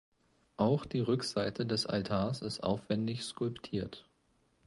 Auch die Rückseite des Altars ist aufwändig skulptiert.